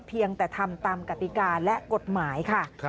เพียงแต่ทำตามกติกาและกฎหมายค่ะ